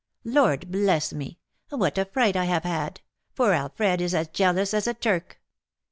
Lord bless me, what a fright I have had! for Alfred is as jealous as a Turk."